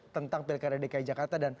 tentang pilkada dki jakarta dan